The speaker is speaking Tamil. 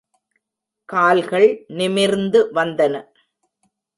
கால்கள் நிமிர்ந்து வந்தன.